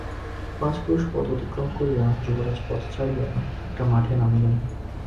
পাঁচ ক্রোশ পথ অতিক্রম করিয়া যুবরাজ পথ ছাড়িয়া একটা মাঠে নামিলেন।